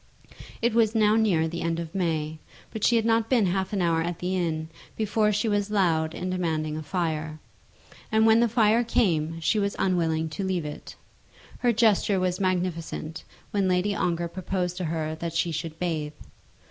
It was now near the end of May, but she had not been half an hour at the inn before she was loud in demanding a fire, and when the fire came she was unwilling to leave it. Her gesture was magnificent when Lady Ongar proposed to her that she should bathe.